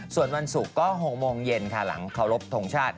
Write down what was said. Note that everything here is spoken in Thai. ส่วนวันศุกร์ก็๖โมงเย็นค่ะหลังเคารพทงชาติ